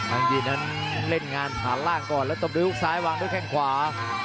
องยีนนั้นเล่นงานผ่านล่างก่อนแล้วตบด้วยฮุกซ้ายวางด้วยแข้งขวา